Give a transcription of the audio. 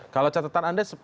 kalau catatan anda